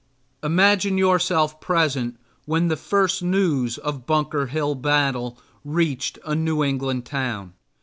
Imagine yourself present when the first news of Bunker Hill battle reached a New England town.